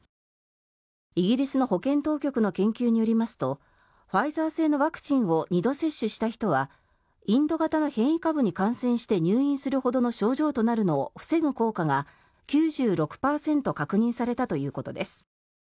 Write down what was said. イギリスの保健当局の研究によりますとファイザー製のワクチンを２度接種した人はインド型の変異株に感染して入院するほどの症状となるのを防ぐ効果が９６％確認されたということです。